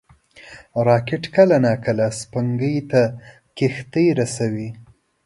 راکټ کله ناکله سپوږمۍ ته کښتۍ رسوي